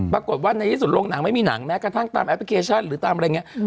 ปรากฏว่าในที่สุดโรงหนังไม่มีหนังแม้กระทั่งตามแอปพลิเคชันหรือตามอะไรอย่างนี้